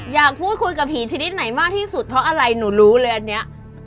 อยากพูดคุยกับผีชนิดไหนมากที่สุดเพราะอะไรหนูรู้เลยอันนี้